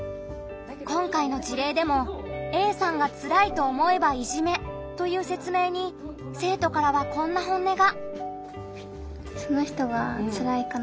今回の事例でも「Ａさんがつらいと思えばいじめ」という説明に生徒からはこんな本音が。